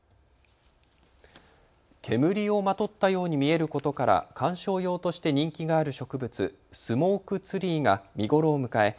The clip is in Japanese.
煙をまとったように見えることから観賞用として人気がある植物、スモークツリーが見頃を迎え